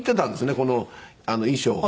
この衣装が。